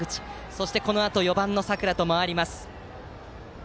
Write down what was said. そしてこのあと４番の佐倉へと回ります。